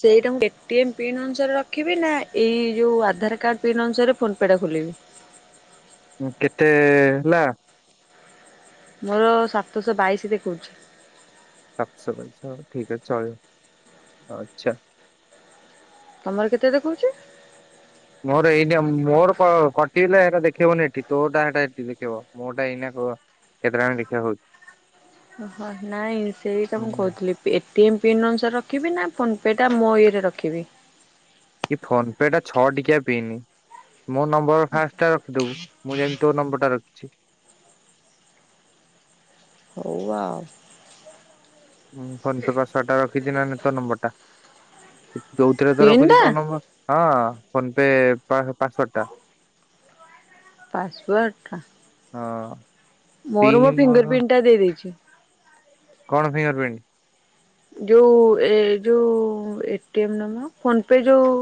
ସେଇଟା ମୁଁ ପେଟି ଏମ୍ ପିନ୍ ଅନୁସାରେ ରଖିବି ନା ଏଇ ଯୋଉ ଆଧାର କାର୍ଡ ପିନ୍ ଅନୁସାରେ ଫୋନ୍ ପେ ଟା ଖୋଲିବି? ଉଁ କେତେ ହେଲା? ମୋର ସାତଶହ ବାଇଶି ଦେଖୋଉଚି। ସାତଶ ବାଇଶହ ଠିକ୍ ଚଳିବ ଆଚ୍ଛା। ତମର କେତେ ଦେଖୋଉଚି? ମୋର ଏଇନେ ମୋର କଟିଲେ ହେଟା ଦେଖେଇବନି ଏଠି ତୋଟା ହେଟା ଏଠି ଦେଖେଇବ। ମୋଟା ଏଇନା କୋ କେତେ ଟାଇମ୍ ଦେଖିବ ହୋଉ। ଓହୋ ନାଇଁ ସେଇଟା ମୁଁ କହୁଥିଲି। ଏଟି ଏମ୍ ପିନ୍ ଅନୁସାରେ ରଖିବି ନା ଫୋନ୍ ପେ ଟା ମୋ ଇଏରେ ରଖିବି। କି ଫୋନ୍ ପେ ଟା ଛଅ ଟିକିଆ ପିଇନି। ମୋ ନମ୍ବର ଫାଷ୍ଟ ଟା ରଖିଦବୁ, ମୁଁ ଯେମିତି ତୋ ନମ୍ବର ଟା ର ହେୟା ଆଉ। ଉଁ ଫୋନ୍ ପେ ପାସୱର୍ଡଟା ରଖିଛି ନା ତୋ ନମ୍ବର ଟା ଯୋଉଥିରେ ତ ପିନ୍ ରଖୁଛି ଟା ତୋ ନମ୍ବର। ହଁ ଫୋନ୍ ପେ ପାସୱାର୍ଡଟା। ପାସୱାର୍ଡଟା। ହଁ। ମୋର ମୋ ଫିଙ୍ଗର୍ ପ୍ରିଣ୍ଟି ଦେଇଦେଇଛି। କଣ ଫିଙ୍ଗର୍ ପ୍ରିଣ୍ଟି? ଯୋଉ ଏ ଯୋଉ ଏଟି ଏମ୍ ମ ଫୋନ୍ ପେ ଯୋଉ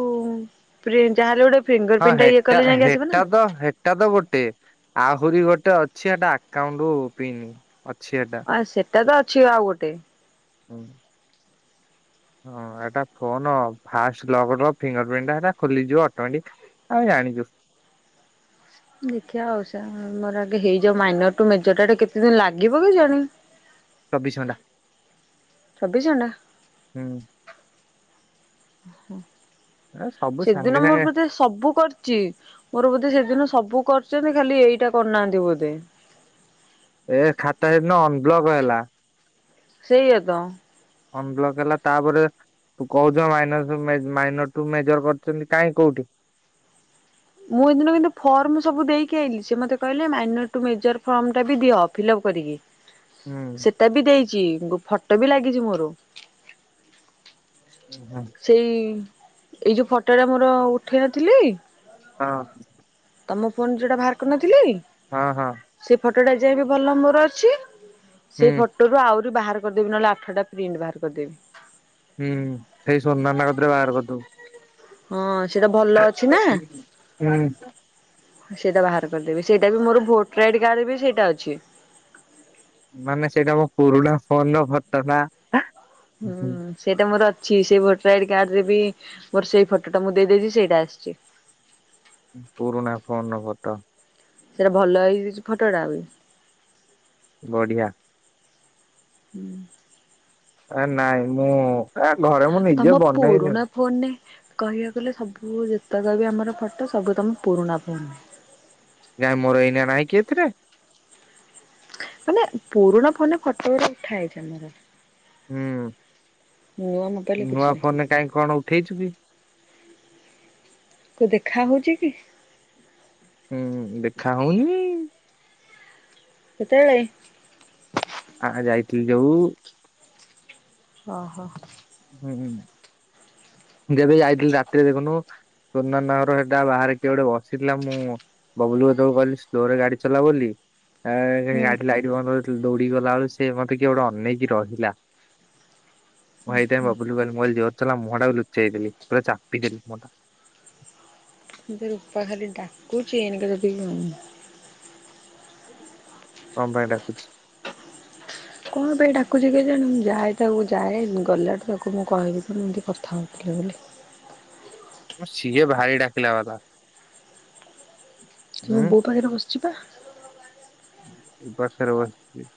ପ୍ରିଣ୍ଟି ଯାହାଲେ ଗୋଟେ ଫିଙ୍ଗର୍ ପ୍ରିଣ୍ଟି ଟା ଇଏ କଲେ ଯାଇକି ଆସିବ ନା। ଏଟା ତ ଗୋଟେ ଆହୁରି ଗୋଟେ ଅଛି ଏଟା ଆକାଉଣ୍ଟ ପିନ୍‌ ଅଛି ହେଟା। ଆଉ ସେଟା ତ ଅଛି ଆଉ ଗୋଟେ। ହୁଁ। ହଁ ଏଟା ଫୋନ୍ ଫାଷ୍ଟ ଲକ୍ ର ଫିଙ୍ଗର୍ ପ୍ରିଣ୍ଟି ହେଟା ଖୋଲିଯିବ ଅଟୋମେଟିକ୍। ଆମେ ଜାଣିଚୁ। ଦେଖିବା ଆଉ ଆମର ଆଗେ ହେଇଯାଉ ମାଇନର୍ ଟୁ ମେଜର୍ ଟା ଏଠି କେତେ ଦିନ ଲାଗିବ କେଜାଣି। ଚବିଶି ଘଣ୍ଟା। ଛବିଶି ଘଣ୍ଟା ହୁଁ ଉହୁଁ। ଏ ସବୁ ସାଙ୍ଗେ ସେଦିନ ମୋର ସାଙ୍ଗେ ପଛେ ସବୁ କରି ମୋର ବୋଧେ ସେଦିନ ସବୁ କରିଛନ୍ତି ଖାଲି ଏଇଟା କରିନାହାନ୍ତି ବୋଧେ। ଏ ଖାତା ସେଦିନ ଅନବ୍ଲକ ହେଲା। ସେଇଆ ତ। ଅନବ୍ଲକ ହେଲା ତାପରେ ତୁ କୋହୁଚ ମାଇନରଠୁ ମେ ମାଇନରଠୁ ମେଜର କରୁଛନ୍ତି କାଇଁ କୋଉଠି? ମୁଁ ହେଦିନ କିନ୍ତୁ ଫର୍ମ ସବୁ ଦେଇକି ଆଇଲି ସେ ମତେ କହିଲେ ମାଇନରଠୁ ମେଜର ଫର୍ମଟା ବି ଦିଅ ଫିଲଅପ୍ କରିକି। ହଁ [inaudible] ହୁଁ। ତାବି ଦେଇଚି ଗୋ ଫଟୋ ବି ଲାଗିଚି ମୋର। ଉଁ ହୁଁ। ସେଇ ଏଇ ଯୋଉ ଫଟୋଟା ମୋର ଉଠେଇ ନଥିଲି ହଁ। ତମ ଫୋନ ଯୋଉଟା ଭାର କରିନଥିଲି ହଁ ହଁ। ସେ ଫଟଟା ଯାଏ ବି ଭଲ ମୋର ଅଛି ହୁଁ ସେଇ ଫ ଫୋଟରୁ ଆହୁରି ବାହାର କରିଦେବି ନହଲେ ଆଠଟା ପ୍ରିଣ୍ଟ୍ ବାହାର କରିଦେବି। ହୁଁ ସେଇ ସୋନାନା କତିରେ ବାହାର କରିଦୋବୁ। ହଁ ସେଟା ଭଲ ଅଛି ନା। ହୁଁ। ସେଇଟା ବାହାର କରିଦେବି ସେଇଟା ବି ମୋର ଭୋଟର ଆଇଡି କାର୍ଡ ବି ସେଇଟା ଅଛି। ମାନେ ସେଇଟା ମୋ ପୁରୁଣା ଫୋନର ଫଟ ନା। ହୁଁ। ସେଇଟା ମୋର ଅଛି ସେଇ ଭୋଟର ଆଇଡି କାର୍ଡରେ ବି ମୋର ସେଇ ଫଟୋଟା ମୁଁ ଦେଇଦେଇଚି ସେଇଟା ଆସଚି। ପୁରୁଣା ଫୋନର ଫଟୋ। ସେଇଟା ଭଲ ହେଇଯାଇଚି ଫଟୋଟା ବି। ବଢିଆ। ହୁଁ। ଏ ନାଇଁ ମୁଁ ଏ ଘରେ ମୁଁ ନିଜେ ତମ ବନେଇନି। ପୁରୁଣା ଫୋନରେ କହିବାକୁ ଗଲେ ସବୁ ଯେତେକ ବି ଆମର ଫଟ ସବୁ ତମ ପୁରୁଣା ଫୋନ ନାଇଁ ମୋର ଏଇନା ନାହିଁ କି ଏଥିରେ। ମାନେ ପୁରୁଣା ଫୋନରେ ଫଟୋଉରା ଉଠାହେଇଚି ଆମର। ନୂଆ ମୋବାଇଲରେ ହୁଁ କିଛି ନୂଆ ନାହିଁ। ଫୋନରେ କାହିଁ କଣ ଉଠେଇଚୁ କି? କୋଉ ଦେଖା ହୋଉଚି କି? ହୁଁ ଦେଖା ହୋଉନି। ସେତବେଳେ ଆ ଯାଇଥିଲି ଯୋଉ ଓହୋ। ହୁଁ ଯେବେ ଯଇଥିଲି ରାତିରେ ଦେଖୁନୁ ସୁନାନା ହର ହେଟା ବାହାରେ କିଏ ଗୋଟେ ବସିଥିଲା ମୁଁ ବବୁଲୁ ଭାଇ ତାକୁ କହିଲି ସ୍ଲୋରେ ଗାଡି ଚଲା ବୋଲି। ଏ ହେ ହୁଁ। ଗାଡି ଲାଇଟ ବନ୍ଦ କରଥିଲି ଦୌଡିକି ଗଲା ବେଳୁ ସେ ମତେ କିଏ ଗୋଟେ ଅନେଇକି ରହିଲା। ମୁଁ ହେଇଥିପାଇଁ ବାବୁଲୁକୁ କହିଲି ମୁଁ କହିଲି ଜୋରେ ଚଲା ମୁହଁଟା ଲୁଚେଇଦେଲି ପୁରା ଚାପିଦେଲି ମୁହଁଟା। ମତେ ରୂପା ଖାଲି ଡାକୁଚି ଏଇନାକେ ଯଦି ଉଁ କଣ ପାଇଁ ଡାକୁଚି? କଣ ପାଇଁ ଡାକୁଚି କେଜାଣ ମୁଁ ଯାଏ ତାକୁ ଯାଏ ଗଲାଠୁ ତାକୁ ମୁଁ କହିବି ତ ଏମିତି କଥା ହୋଉଥିଲି ବୋଲି। ହଁ ସିଏ ଭାରି ଡାକିଲା ବାଲା। ସିଏ ମୋ ଉଁ ବୋଉ ପାଖରେ ବସିଚି ପା। ଉ ପାଖରେ ବସଚି।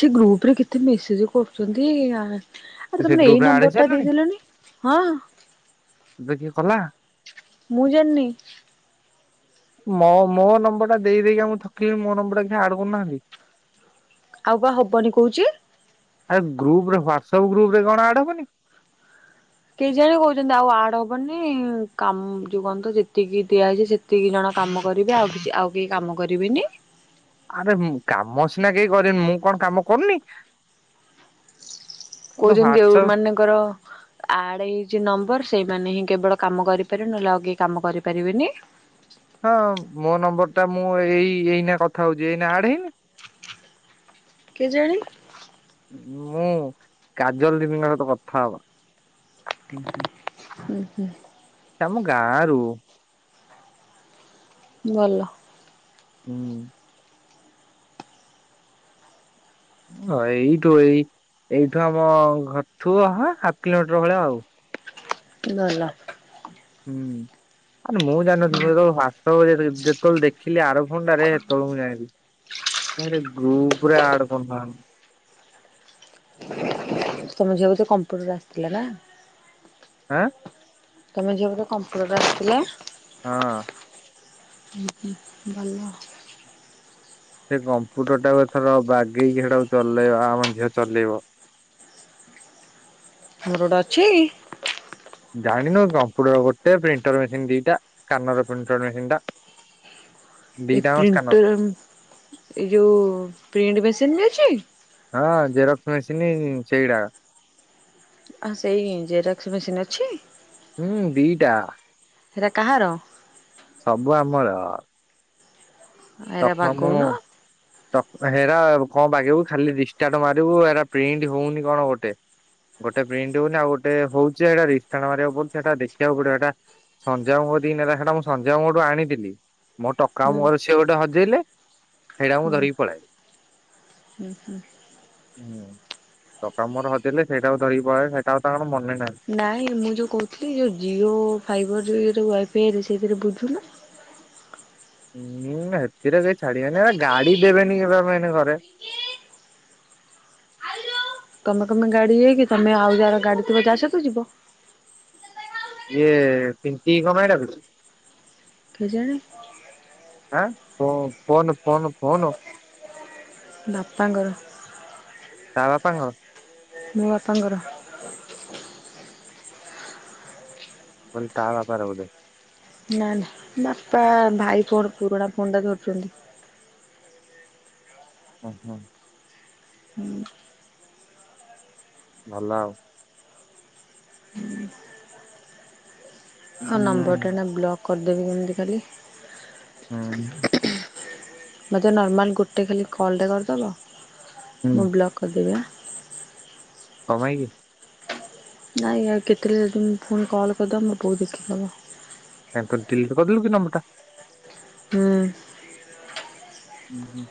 ସେ ଗ୍ରୁପରେ କେତେ ମେସେଜେ କରୁଚନ୍ତି ଆ ଆରେ ତୁ ସେ ତମର ଏଇ ଗ୍ରୁପ ରେ ଆଡ ହେଇ ନମ୍ବରଟା ସାରିଲୁଣି? ଦେଇଲନି ହଁ। ଏବେ କିଏ କଲା। ମୁଁ ଜାଣିନି। ମୋ ମୋ ନମ୍ବର ଟା ଦେଇ‌ ଦେଇକା ମୁଁ ଥକିଲି ମୋ ନମ୍ବର ଟା କାଇଁ ଆଡ଼େ କରୁନାହାନ୍ତି। ଆଉ ବା ହବନି କହୁଛି। ଆରେ ଗ୍ରୁପ ରେ ହ୍ୱାଟ୍ସପ୍ ଗ୍ରୁପ ରେ କଣ ଆଡ୍ ହବନି। କେଇଜାଣି କହୁଛନ୍ତି ଆଉ ଆଡ୍ ହବନି କା ଯୋଉ କଣତ ଯେତିକି ଦିଆହେଇଛି ସେ ଏତିକି ଜଣ କାମ କରିକି ଆଉ ଆଉ କେହି କାମ କରିବେନି। ଆରେ କାମ ସିନା କେହି କରି ମୁଁ କଣ କାମ କରୁନି। ତ କହୁଛନ୍ତି ଯୋଉ ହ୍ୱାଟ୍ସଆପ ମାନଙ୍କର ଆଡ୍ ହେଇଛି ନମ୍ବର ସେଇମାନେ ହିଁ କେବଳ କାମ କରିପାରିବେ ନହେଲେ ଆଉ କେହି କାମ କରିପାରିବେନି। ହଁ ମୋ ନମ୍ବର ଟା ମୁଁ ଏଇ ଏଇନା କଥା ହଉଛି ଏଇନା ଆଡ୍ ହେଇନି। କେଜାଣି। ମୁଁ କାଜଲ ଦିଦିଙ୍କ ସହିତ କଥା ହବ। ହୁଁ ହୁଁ। ତମ ଗାଁ ରୁ ଭଲ। ହୁଁ। ହଁ ଏଇଠୁ ଏଇ ଏଇଠୁ ଆମ ଘରଠୁ ହାଫ୍ କିଲୋମିଟର ଭଳିଆ ଆଉ। ଗଲା। ହୁଁ ଆରେ ମୁଁ ଜାଣିନଥିଲି ଯେତେବେଳେ [unintelligible] ଯେତେବେଳେ ଦେଖିଲି ଆର [unintelligible] ଯାଇବି ଗ୍ରୁପ ରେ ଆଡ୍ କରୁନା [unintelligible] ତମ ଝିଅ ବୋଧେ କମ୍ପ୍ୟୁଟର ଆସିଥିଲା ନା। ଆଁ। ତମ ଝିଅ ବୋଧେ କମ୍ପ୍ୟୁଟର ଆସିଥିଲା। ହଁ। [unintelligible] ଭଲ। ସେ କମ୍ପ୍ୟୁଟର ଟା କୁ ଏଥର ବାଗେଇକି ସେଟାକୁ ଚଲେଇବା ଆମ ଝିଅ ଚଲେଇବ। [unintelligible] ଅଛି। ଜାଣିନୁ କମ୍ପ୍ୟୁଟର ଗୋଟେ ପ୍ରିଣ୍ଟର ମେସିନ୍ ଦିଟା [unintelligible] ପ୍ରିଣ୍ଟର ମେସିନ ଟା ଏ ଦିଟାଙ୍କ ସ୍କାନର ପ୍ରିଣ୍ଟର ଏ ଯୋଉ ପ୍ରିଣ୍ଟ ମେସିନ୍ ବି ଅଛି? ହଁ ଜେରକ୍ସ ମେସିନି ସେଇଡା଼। ଆଉ ସେଇ ଜେରକ୍ସ ମେସିନ୍ ଅଛି। ହୁଁ ଦିଟା। ହେରା କାହାର? ସବୁ ଆମର। ଟକ ଏରା ବାଗଉନ ମାମୁଁ ଟ ହେରା କଣ ବାଗେଇବୁ ଖାଲି ରିଷ୍ଟାର୍ଟ ମାରିବୁ ଏରା ପ୍ରିଣ୍ଟ୍ ହଉନି କଣ ଗୋଟେ। ଗୋଟେ ପ୍ରିଣ୍ଟ୍ ହଉନି ଆଉ ଗୋଟେ ହଉଛି ରିଷ୍ଟାର୍ଟ ମାରିବାକୁ ପଡୁଚି ସେଟା ଦେଖିବାକୁ ପଡି଼ବ ହେଟା ସଞ୍ଜୟ ମାମୁଁ କତିକି ନେଲେ ସେଟା ମୁଁ ସଞ୍ଜୟ ମାମୁଁଙ୍କ ଠୁ ଆଣିଥିଲି। ମୋ ଟକ ହୁଁ ମାମୁଁ ଙ୍କ ର ସିଏ ଗୋଟେ ହଜେଇଲେ ସେଇଟା ମୁଁ ଧରିକି ପଳେଇଆଇଲି। ହୁଁ ହୁଁ। ହୁଁ ଟକ ମାମୁଁ ଙ୍କ ର ହଜେଇଲେ ସେଇଟା ଧରିକି ପଳେଇଆଇଲି ସେଇଟା ଆଉ ତାଙ୍କର ମନେ ନାହିଁ। ନାଇଁ ମୁଁ ଯୋଉ କହୁଥିଲି ଯୋଉ ଜିଓ ଫାଇବର୍ [unintelligible] ୱାଇଫାଇଏ ରେ ସେଥିରେ ବୁଝୁନୁ। ହୁଁ ସେଥିରେ କେହି ଛାଡି଼ବେନି ଗାଡ଼ି ଦେବେନି କେହି ଯିବା ପାଇଁ ଘରେ। ତମେ କଣ ପାଇଁ ଗାଡ଼ି ଇଏକି ତମେ ଆଉ ଯାହାର ଗାଡ଼ି ଥିବ ତା ସହିତ ଯିବ। ଇଏ ପିଙ୍କି କି କଣ ପାଇଁ ଡାକୁଚୁ। କେଜାଣି। ଆଁ ଫୋନ ଫୋନ ଫୋନ। ବାପାଙ୍କ ର। ତା ବାପାଙ୍କ ମୋ ବାପାଙ୍କର। କହିଲି ତା ବାପାର ବୋଧେ। ନା ନା ବାପା ଭାଇ ଫୋନ୍ ପୁରୁଣା ଫୋନ୍ ଟା ଧରୁଚନ୍ତି। ଓହୋ। ହୁଁ। ଭଲ ଆଉ। ହଁ ଆଉ ହୁଁ ନମ୍ବର୍ ଟା ନା ବ୍ଲକ୍ କରିଦେବି କେମିତି କାଲି। [unintelligible] ମୋତେ ନର୍ମାଲ୍ ଗୋଟେ ଖାଲି କଲ୍ ଟେ କରିଦବ ହୁଁ ମୁଁ ବ୍ଲକ୍ କରିଦେବି ଆଁ। କଣ୍ ପାଇଁ କି? ନାଇଁ ଏ-କେତେବେଳେ ଯଦି ମୁଁ ପୁଣି କଲ୍ କରିଦେବ ମୋ ବୋଉ ଦେଖିଦେବ। କାଇଁ ତୁ ଡିଲିଟ୍ କରିଦେଲୁ କି ନମ୍ବର୍ ଟା। ହୁଁ। ହୁଁ ହୁଁ।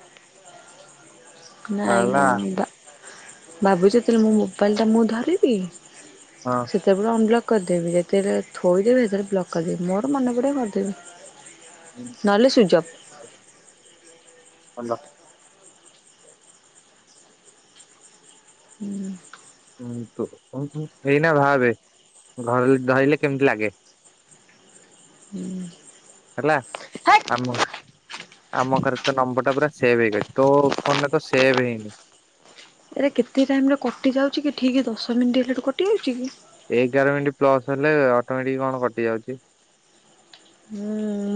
ନାଇଁ କଣ ବା-ଭାବୁଚି ଯେତେଳେ ମୋ ମୋବାଇଲ୍ ଟା ମୁଁ ଧରିବି ହଁ ସେତେବେଳେ ଅନବ୍ଲକ୍ କରିଦେବି ଯେତେବେଳେ ଥୋଇଦେବି ସେତେବେଳେ ବ୍ଲକ୍ କରିଦେବି। ମୋର ମନେ ପଡ଼ିବ କରିଦେବି। ନହେଲେ ସୁଇଚ୍ ଅଫ୍। ଭଲ। ହୁଁ। ହୁଁ ତୁ- ତୁ ଏଇନା ଭାବେ ଘର ଧରିଲେ କେମିତି ଲାଗେ। ହୁଁ। ହେଲା ଆମ ଆମ ଘରେ ତ ନମ୍ବର ଟା ପୁରା ସେଭ୍ ହେଇକି ଅଛି ତୋ ଫୋନରେ ତ ସେବ୍ ହେଇନି। ଏରା କେତେ ଟାଇମ୍ ରେ କଟି ଯାଉଚି କି ଠିକି ଦଶ ମିନିଟ୍ ହେଲାଠୁ କଟି ଯାଉଚି କି? ଏଗାର ମିନିଟ୍ ପ୍ଲସ୍ ହେଲେ ଅଟମେଟିକି କଣ କଟି ଯାଉଚି। ହୁଁ।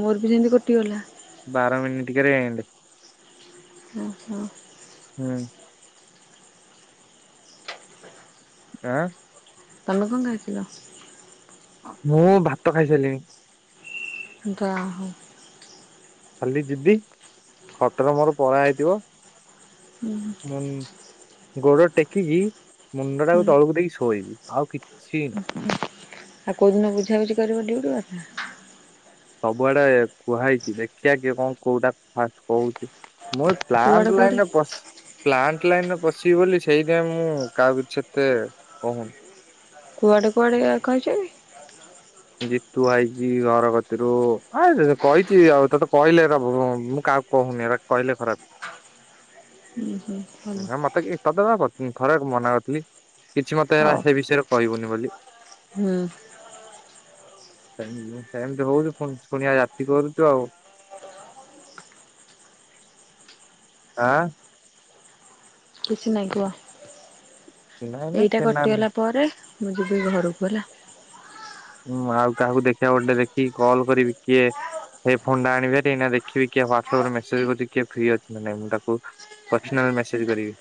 ମୋର ବି ସେମିତି କଟିଗଲା। ବାର ମିନିଟ୍ କିରେ ଏଣ୍ଡେ। ଆଛା। ହୁଁ। ଆଁ। ତମେ କଣ ଖାଇଥିଲ? ଅଁ-ମୁଁ ଭାତ ଖାଇସାଇଲିଣି। ଯା ହଉ। ଖାଲି ଯିବି ଖଟରେ ମର ପରା ହେଇଥିବ ହୁଁ। ଉଁ- ଗୋଡ ଟେକିକି ମୁଣ୍ଡ ଟାକୁ ହୁଁ ତଳକୁ ଦେଇକି ଶୋଇବି ଆଉ କିଛି ନାଇଁ। ଆଉ କଉଦିନ ବୁଝାବୁଝିି କରିବ ଡିଉଟି କଥା? ସବୁଆଡେ କୁହା ହେଇଚି ଦେଖିବା କିଏ କଣ କଉଟା ଫାଷ୍ଟ୍ କହୁଚି ମୁଁ କୁଆଡେ ପ୍ଲାଣ୍ଟ୍ କୁଆଡେ ଲାଇନ୍ ରେ ପସି ପ୍ଲାଣ୍ଟ୍ ଲାଇନ୍ ରେ ପଶିବି ବୋଲି ସେଇଥିପାଇଁ ମୁଁ କାହାକୁ କିଛି ଏତେ କହୁନି। କୁଆଡ଼େ କୁଆଡ଼େ କହିଚ କି? ଜିତୁ ଆଇଚି ଘର କତିରୁ ଆ କହିଚି ଆଉ ତତେ କହିଲେ ଏରା ବୁ-ମୁଁ କାହା କହୁନି ଏରା କହିଲେ ଖରାପ୍। ହୁଁ ଭଲ ଏରା ମତେ କିଏ ତତେ ବା ଥରେ ମନା କରିଥିଲି କିଛି ମତେ ହେରା ହଉ ସେ ବିଷୟରେ କହିବୁନି ବୋଲି। ହୁଁ। ସେ ସେମିତି ହଉଚୁ ପୁଣି ଶୁଣିବା ଯାତି କରୁଛ ଆଉ ଆଁ। କିଛି ନାଇଁ କୁହ ନାଇଁ ନା ଏଇଟା ଛେନା ନାଇଁ। କଟିଗଲା ପରେ ମୁଁ ଯିବି ଘରକୁ ହେଲା। ମୁଁ ଆଉ କାହାକୁ ଦେଖିବାକୁ ଗୋଟେ ଦେଖିକି କଲ କରିବି କିଏ? ସେଇ ଫୋନଟା ଆଣିବି ଭାରି ଦେଖିବି କିଏ ହ୍ୱାଟସଆପରେ ମେସେଜ କରୁଛି କିଏ ଫ୍ରୀ ଅଛି ନା ମୁଁ ତାକୁ ପସନାଲ ମେସେଜ କରିବେ।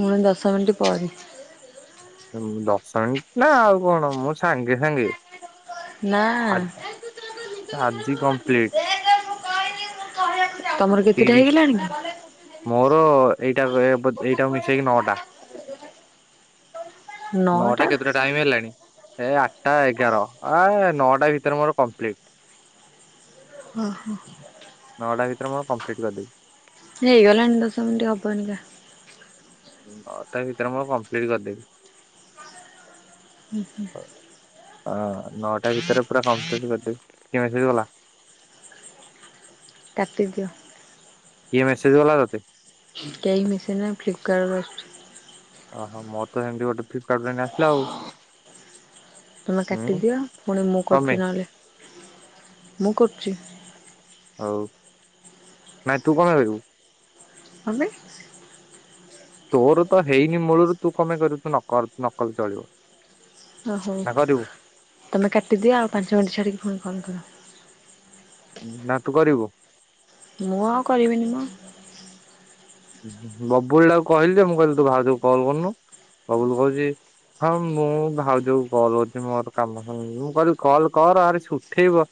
ମୋର ଦଶ ମିିନଟ୍ ପରେ ଦଶ ମିନିଟ ନା ଆଉ କଣ ମୁଁ ସାଙ୍ଗେ ସାଙ୍ଗେ ନା। ଆଜି କମ୍ପ୍ଲିଟ୍। ତମର କେତେଟା ତିରିଶ ହେଇଗଲାଣିି କି? ମୋର ଏଇଟା ଏଇଟାକୁ ମିଶେଇକି ନଅଟା। ନଅଟା କେତେରେ ଟାଇମ ହେଲାଣି ଏ ଆଠଟା ଏଗାର ଆ ନଅଟା ଭିତରେ ମୋର କମ୍ପ୍ଲିଟ। ହଁ। ନଅଟା ଭିତରେ ମୋର କମ୍ପ୍ଲିଟ୍ କରିଦେବି। ହେଇଗଲାଣି ଦଶ ମିନିଟ୍ ହବନିକା। ହଁ ତା ଭିତରେ ମୁଁ କମ୍ପ୍ଲିଟ କରିଦେବି। ହୁଁ ହୁଁ ହଁ ନଅଟା ଭିତରେ ପୁରା କମ୍ପ୍ଲିଟ କରିଦେବି କେମତି ହେଇଗଲା? କାଟି ଦିଅ। କିଏ ମେସେଜ କଲା ତତେ? କେହି ମେସେଜ ନାହିଁ ଫ୍ଲିପକାର୍ଟରୁ ଆସୁଛି। ଓହୋ ତ ସେମିତି ଗୋଟେ ଫ୍ଲିପକାର୍ଟରୁ ଏଇନା ଆସିଲ ଆଉ ତମେ ହୁଁ। କାଟିଦିଅ ପୁଣି ମୁଁ କମେ କରୁଛି ନହେଲେ ମୁଁ କରୁଛି। ହଉ ନାଇଁ ତୁ କଣ ଭାବିବୁ? ତମେ? ତୋର ତ ହେଇନି ମୂଳରୁ ତୁ କଣ ପାଇଁ କରିବୁ ତୁ ନକଲେ ଚଳିବ। ଓହୋ ନା କରିବୁ ତମେ କାଟିଦିଅ ଆଉ ପାଞ୍ଚ ମିନିଟ୍ ଛାଡିକି ଫୁଣି କଲ କର। ନା ତୁ କରିବୁ? ମୁଁ ଆଉ କରିବିନି ମ? ବବୁଲଟାକୁ କହିଲି ଯେ ମୁଁ କହିଲି ତୁ ଭାଉଜକୁ କଲ କରନୁ ବବୁଲ କହୁଛି ହଁ ମୁଁ ଭାଉଜକୁ କଲ କରୁଛି ମୋର କାମ ମୁଁ କହିଲି କଲ୍ କର ଆରେ ସେ ଉଠେଇବ।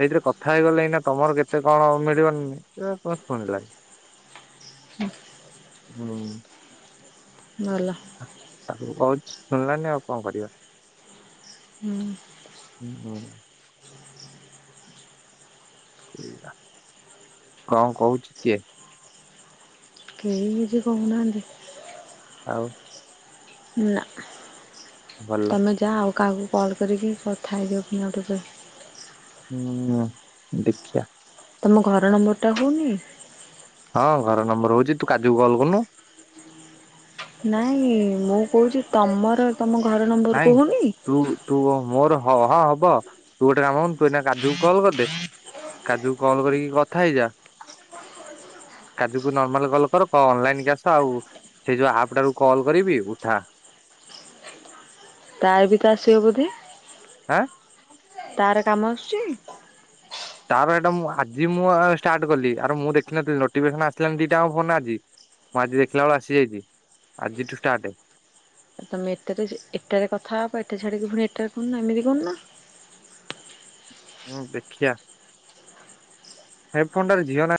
ସେଇଥିରେ କଥା ହେଇଗଲ ଏଇନା ତମର କେତେ କଣ ମିଳିବନି ଏ ଶୁଣିଲାନି। ହୁଁ। ଗଲା। ଟାକୁ କହୁଛି ଶୁଣିଲାଣି ଆଉ କଣ କରିବା? ହୁଁ ହୁଁ। ଆଉ କଣ କହୁଛି କିଏ? କେହି କିଛି କହୁନାହାନ୍ତି? ଆଉ ନା ଭଲ ତୁମେ ଯାଅ ଆଉ କାହାକୁ କଲ୍ କରିକି କଥା ହେଇଯାଅ ଆଉ ଟିକେ ହୁଁ ଦେଖିବା। ତମ ଘର ନମ୍ବରଟା ହଉନି। ହଁ ଘର ନମ୍ବର ହଉଛି ତୁ କାଜୁକୁ କଲ କରୁନୁ। ନାଇଁ ମୁଁ କହୁଛି ତମର ତମ ଘର ନମ୍ ନାଇଁ ତୁ ତୁ ମୋର ହ ହଁ ହବ ତୁ ଗୋଟେ କାମ କରୁନୁ ତୁ ଏଇନା କାଜୁକୁ କଲ୍ କରିଦେ। କାଜୁ କୁ କଲ୍ କରିକି କଥା ହେଇଯା କାଜକୁ ନର୍ମାଲ କଲ କର କଣ ଅନଲାଇନ କି ଆସ ଆଉ ସେଇ ଯୋଉ ଆପ୍ ଟା ରୁ କଲ୍ କରିବି ଉଠା। ତାର [unintelligible] ବୋଧେ? ଆଁ? ତାର କାମ ଆସୁଛି? ତାପରେ ଏଇଟା ମୁଁ ଆଜି ମୁଁ ଷ୍ଟାର୍ କଲି ଆ ମୁଁ ଦେଖିନଥିଲି ନୋଟିଫିକେସନ ଆସିଲାନି ଦିଟା ଫୋନ ଆଜି। ମୁଁ ଆଜି ଦେଖିଲା ବେଳ ଆସିଯାଇଛି ଆଜିଠୁ ଷ୍ଟାର୍ଟ। ଆଉ ତମେ ଏଟାରେ ଏଟାରେ କଥା ହବ ଏଟା ଛାଡିକି ପୁଣି ଏଟାରେ କରୁନ ନା ଏମିତି କରୁନ? ହଁ ଦେଖଆ। ହେ ଫୋନ ଟାର ଝିଅ ନା